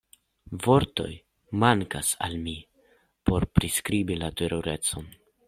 Vortoj mankas al mi por priskribi la terurecon.